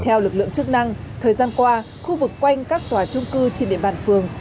theo lực lượng chức năng thời gian qua khu vực quanh các tòa trung cư trên địa bàn phường